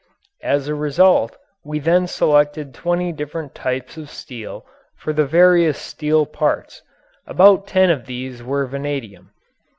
As a result we then selected twenty different types of steel for the various steel parts. About ten of these were vanadium.